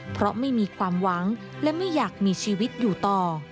เพราะไม่มีความหวังและไม่อยากมีชีวิตอยู่ต่อ